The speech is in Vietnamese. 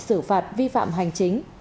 xử phạt vi phạm hành chính